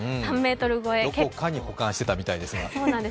どこかに保管していたみたいですが。